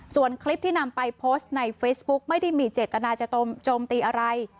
ส่วนคลิปที่นำไปโพสต์ในเฟซบุ๊กไม่ได้มีเจตนาจะโจมตีอะไร